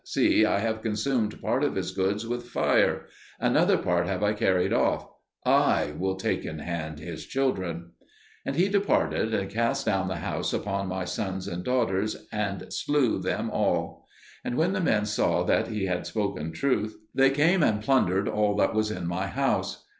See, I have consumed part of his goods with fire; other part have I carried off. I will take in hand his children." And he departed, and cast down the house upon my sons and daughters, and slew them all. And when the men saw that he had spoken truth, they came and plundered all that was in my house.